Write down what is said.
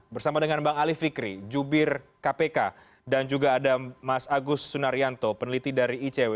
bersama dengan bang ali fikri jubir kpk dan juga ada mas agus sunaryanto peneliti dari icw